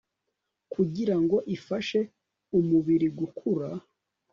kugira ngo ifashe umubiri gukura